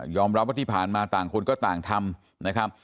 ยอมรับว่าที่ผ่านมาต่างคนก็ต่างทำ